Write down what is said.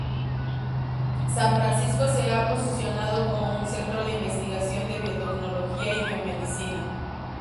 San Francisco se ha posicionado como un centro de investigación de biotecnología y biomedicina.